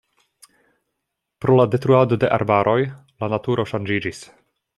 Pro la detruado de arbaroj la naturo ŝanĝiĝis.